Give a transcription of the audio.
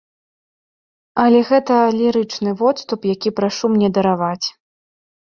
Але гэта лірычны водступ, які прашу мне дараваць.